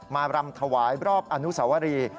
รำถวายรอบอนุสวรี